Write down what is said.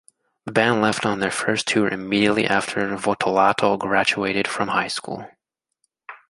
The band left on their first tour immediately after Votolato graduated from high school.